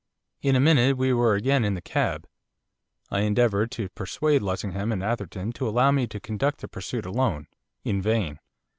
In a minute we were again in the cab. I endeavoured to persuade Lessingham and Atherton to allow me to conduct the pursuit alone, in vain.